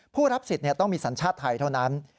ผู้รับสิทธิ์ต้องมีสัญชาติไทยเท่านั้น